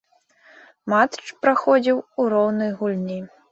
Матч праходзіў у роўнай гульні.